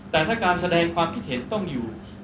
แต่ถ้าการแสดงความคิดเห็นต้องอยู่